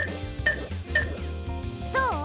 どう？